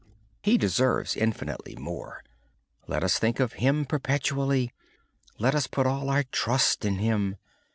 He deserves infinitely more. Let us think of Him perpetually. Let us put all our trust in Him.